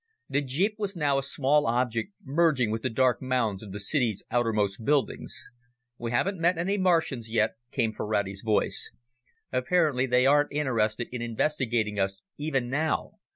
The jeep was now a small object merging with the dark mounds of the city's outermost buildings. "We haven't met any Martians yet," came Ferrari's voice. "Apparently they aren't interested in investigating us even now.